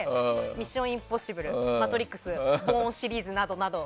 「ミッションインポッシブル」「マトリックス」「ボーン」シリーズなどなど。